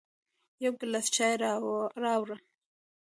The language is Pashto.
يو ګیلاس چای راوړه